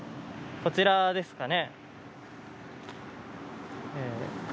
こちらですね。